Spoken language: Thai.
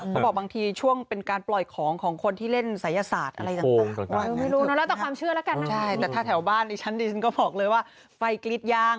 พอบอกบางทีช่วงเป็นการปล่อยของของคนที่เล่นศัยยศาสตร์